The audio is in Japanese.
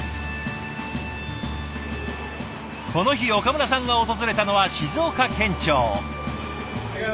この日岡村さんが訪れたのは静岡県庁。